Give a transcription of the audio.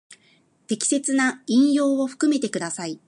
適切な引用を含めてください。